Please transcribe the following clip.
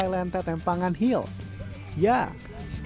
ya skyland tetempangan hill banyak disebut